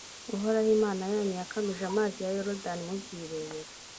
uhoraho, imana yanyu, yakamije amazi ya yorudani mubyirebera.